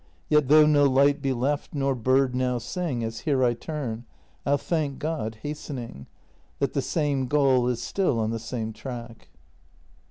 Yet though no light be left nor bird now sing As here I turn, I'll thank God, hastening. That the same goal is still on the same track.